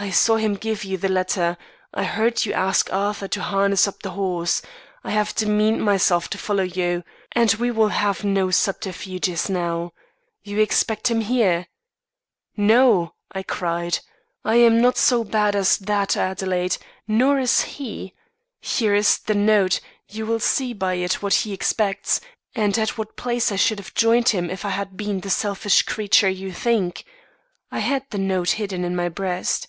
I saw him give you the letter. I heard you ask Arthur to harness up the horse. I have demeaned myself to follow you, and we will have no subterfuges now. You expect him here?' "'No,' I cried. 'I am not so bad as that, Adelaide nor is he. Here is the note. You will see by it what he expects, and at what place I should have joined him, if I had been the selfish creature you think,' I had the note hidden in my breast.